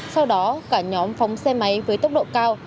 sau đó cả nhóm phóng xe máy với tốc độ cao